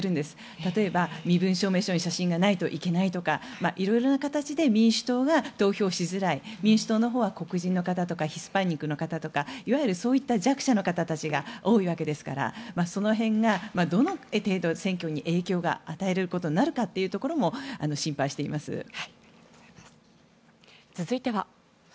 例えば、身分証明書に写真がないといけないとか色んな形で民主党が投票しづらい民主党のほうは黒人の方とかヒスパニックの方とかいわゆるそういう弱者の方が多いわけですからその辺がどの程度、選挙に影響を与えることになるかということも続いては。